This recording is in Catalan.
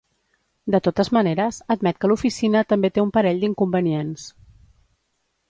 De totes maneres, admet que l’oficina també té un parell d’inconvenients.